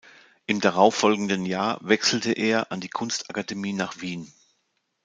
Im darauffolgenden Jahr wechselte er an die Kunstakademie nach Wien.